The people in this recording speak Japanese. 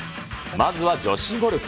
まずは女子ゴルフ。